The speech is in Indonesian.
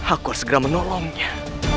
aku harus segera menolongnya